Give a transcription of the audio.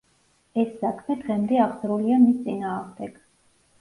ეს საქმე დღემდე აღძრულია მის წინააღმდეგ.